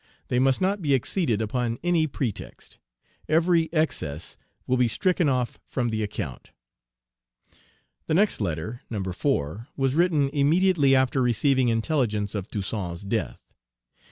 They must not be exceeded upon any pretext. Every excess will be stricken off from the account." The next letter, No. 4, was written immediately after receiving intelligence of Toussaint's death.